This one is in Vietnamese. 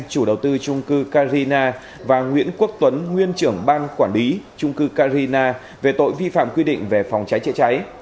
chủ đầu tư trung cư carina và nguyễn quốc tuấn nguyên trưởng ban quản lý trung cư carina về tội vi phạm quy định về phòng cháy chữa cháy